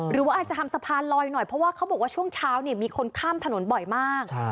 หรือว่าอาจจะทำสะพานลอยหน่อยเพราะว่าเขาบอกว่าช่วงเช้ามีคนข้ามถนนบ่อยมาก